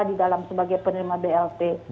di dalam sebagai penerima blt